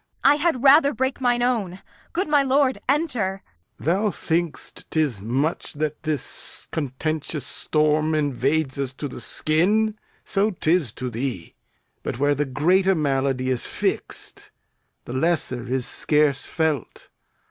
I had rather break mine own. Good my lord, enter. Lear. Thou think'st 'tis much that this contentious storm Invades us to the skin. So 'tis to thee; But where the greater malady is fix'd, The lesser is scarce felt.